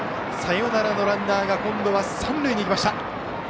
サヨナラのランナーが今度は三塁に行きました。